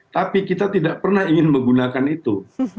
tapi kita tidak pernah ingin menggunakan itu